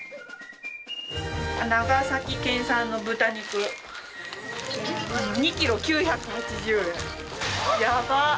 長崎県産の豚肉２ｋｇ９８０円！やばっ！